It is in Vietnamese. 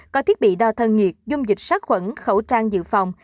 có thiết bị đo thân nhiệt dung dịch sát khuẩn khẩu trang dự phòng